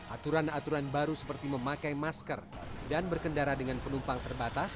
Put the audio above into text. aturan aturan baru seperti memakai masker dan berkendara dengan penumpang terbatas